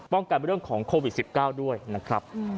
ป้องกันบริเวณของโควิด๑๙ด้วยนะครับ